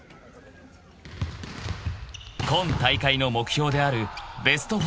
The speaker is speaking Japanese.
［今大会の目標であるベスト４まであと１勝］